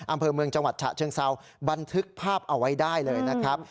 อำเภอเมืองจังหวัดฉะเชิงเซาบันทึกภาพเอาไว้ได้เลยนะครับ